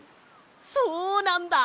そうなんだ！